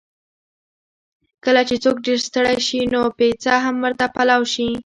کله چې څوک ډېر ستړی شي، نو پېڅه هم ورته پلاو شي.